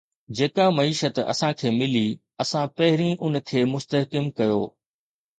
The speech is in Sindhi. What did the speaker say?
جيڪا معيشت اسان کي ملي، اسان پهرين ان کي مستحڪم ڪيو